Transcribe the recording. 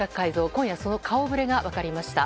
今夜その顔触れが分かりました。